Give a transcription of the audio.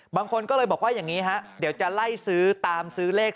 บางคนก็เลยบอกว่าอย่างนี้ฮะเดี๋ยวจะไล่ซื้อตามซื้อเลข